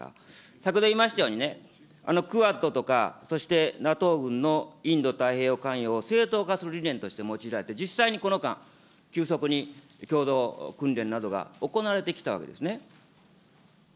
先ほど言いましたようにね、クアッドとかそしてＮＡＴＯ軍のインド太平洋関与を正当化する理論を用いられて、実際にこの間、急速に共同訓練などが行われてきたわけですね。